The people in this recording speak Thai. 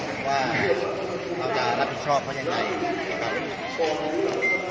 สวัสดีครับพี่เบนสวัสดีครับ